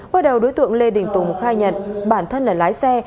bước đầu đối tượng lê đình tùng khai nhận bản thân là lái xe